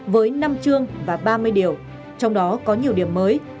với năm chương và ba mươi điều trong đó có nhiều điểm mới